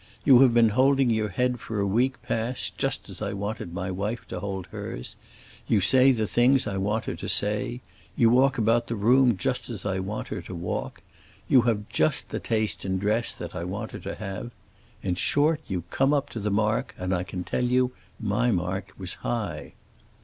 You have been holding your head for a week past just as I wanted my wife to hold hers. You say just the things I want her to say. You walk about the room just as I want her to walk. You have just the taste in dress that I want her to have. In short, you come up to the mark, and, I can tell you, my mark was high."